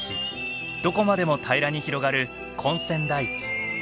どこまでも平らに広がる根釧台地。